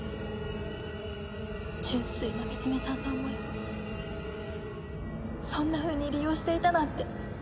純粋なミツメさんの思いをそんなふうに利用していたなんて！